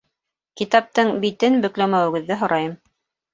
Китаптың битен бөкләмәүегеҙҙе һорайым